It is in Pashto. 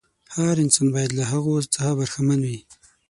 هر انسان باید له هغو څخه برخمن وي.